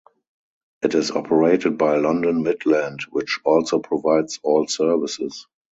It is operated by London Midland, which also provides all services.